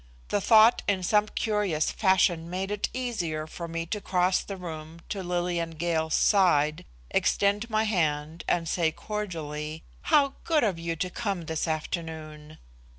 The thought in some curious fashion made it easier for me to cross the room to Lillian Gale's side, extend my hand and say cordially: "How good of you to come this afternoon!"